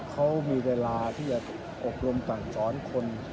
เขามีเวลาที่จะอบรมสั่งสอนคน